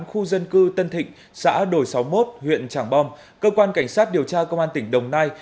khu dân cư tân thịnh xã đồi sáu mươi một huyện tràng bom cơ quan cảnh sát điều tra công an tỉnh đồng nai